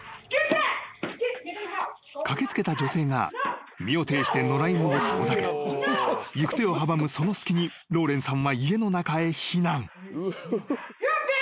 ［駆け付けた女性が身をていして野良犬を遠ざけ行く手を阻むその隙にローレンさんは家の中へ避難］